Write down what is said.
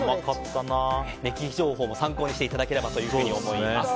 情報も参考にしていただければと思います。